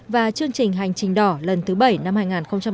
và chương trình hành trình đỏ lần thứ bảy năm hai nghìn một mươi chín